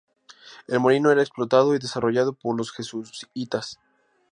El molino era explotado y desarrollado por los jesuitas.